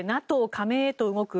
ＮＡＴＯ加盟へと動く